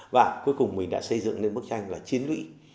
và cuối cùng mình đã xây dựng lên bức tranh là chiến lũy